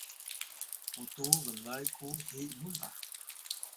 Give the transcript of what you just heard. mutuw blay ku hi muw la